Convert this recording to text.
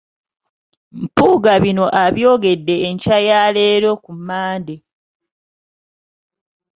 Mpuuga bino abyogedde enkya ya leero ku Mmande .